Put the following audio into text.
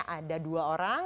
ada dua orang